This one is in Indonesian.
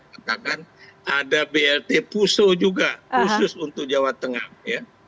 katakan ada blt puso juga khusus untuk jawa tengah ya